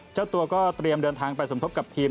เจ้าตัวก็เตรียมเดินทางไปสมทบกับทีม